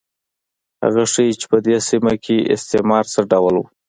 هغه ښيي چې په دې سیمه کې استعمار څه ډول و.